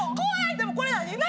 でもこれ何？